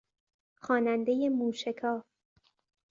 خوانندهی موشکاف